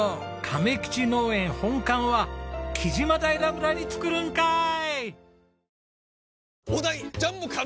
亀吉農園本館は木島平村に作るんかーい！